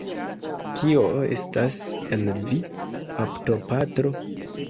Kio estas en vi, baptopatro?